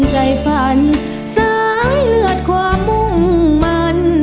ใจฝันสายเลือดความมุ่งมัน